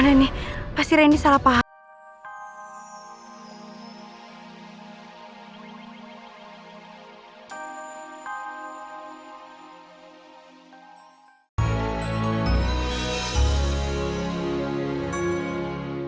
gimana nih pasti reni salah paham